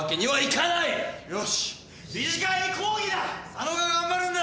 佐野が頑張るんだ！